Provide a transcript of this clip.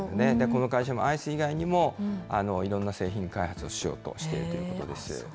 この会社もアイス以外にも、いろんな製品開発をしようとしているということです。